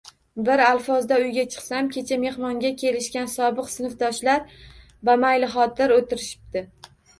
Bir alfozda uyga chiqsam, kecha mehmonga kelishgan sobiq sinfdoshlar bamaylixotir o`tirishibdi